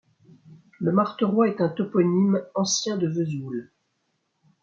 Le Marteroy est un toponyme ancien de Vesoul.